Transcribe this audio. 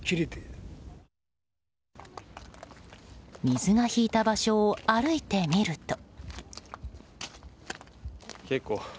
水が引いた場所を歩いてみると。